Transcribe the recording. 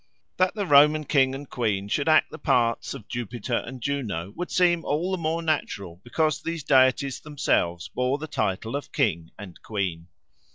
That the Roman king and queen should act the parts of Jupiter and Juno would seem all the more natural because these deities themselves bore the title of King and Queen.